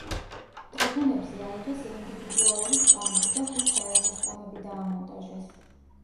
ტრიბუნებზე აიღეს ინდივიდუალური სკამები და ხის საერთო სკამები დაამონტაჟეს.